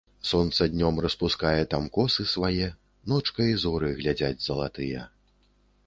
Сонца днём распускае там косы свае, ночкай зоры глядзяць залатыя.